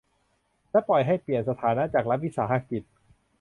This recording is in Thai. และปล่อยให้เปลี่ยนสถานะจากรัฐวิสาหกิจ